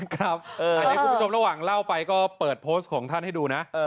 อันนี้คุณผู้ชมระหว่างเล่าไปก็เปิดโพสต์ของท่านให้ดูนะ